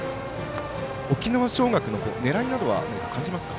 沖縄尚学の狙いなどは感じますか？